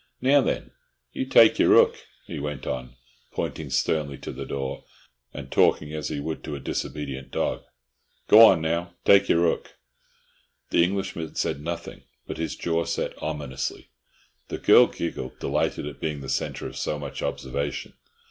Now then, you take your 'ook," he went on, pointing sternly to the door, and talking as he would to a disobedient dog. "Go on, now. Take your 'ook." The Englishman said nothing, but his jaw set ominously. The girl giggled, delighted at being the centre of so much observation.